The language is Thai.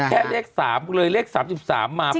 แค่เลขสามเลยเลขสามสิบสามมาปุ๊บ